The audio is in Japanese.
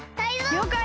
りょうかい！